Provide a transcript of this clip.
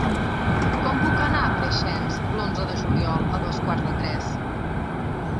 Com puc anar a Preixens l'onze de juliol a dos quarts de tres?